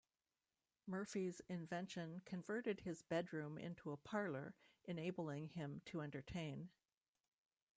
Murphy's invention converted his bedroom into a parlor, enabling him to entertain.